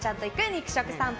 肉食さんぽ。